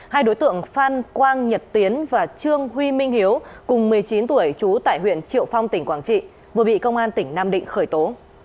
hai đối tượng phan quang nhật tiến và trương huy minh hiếu cùng một mươi chín tuổi trú tại huyện triệu phong tỉnh quảng trị vừa bị công an tỉnh nam định khởi tố